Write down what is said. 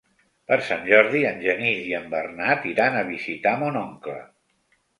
Per Sant Jordi en Genís i en Bernat iran a visitar mon oncle.